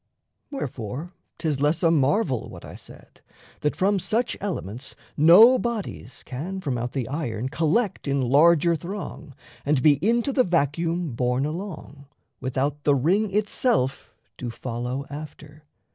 Wherefore, 'tis less a marvel what I said, That from such elements no bodies can From out the iron collect in larger throng And be into the vacuum borne along, Without the ring itself do follow after.